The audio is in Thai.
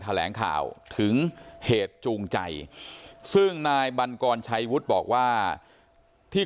แถลงข่าวถึงเหตุจูงใจซึ่งนายบันกรชัยวุฒิบอกว่าที่